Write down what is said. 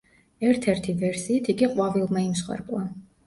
ერთი-ერთი ვერსიით იგი ყვავილმა იმსხვერპლა.